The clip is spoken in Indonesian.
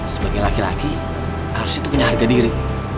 sebagai laki laki harusnya itu punya harga diri